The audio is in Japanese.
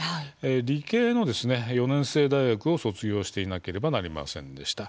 理系の４年制大学を卒業していなければなりませんでした。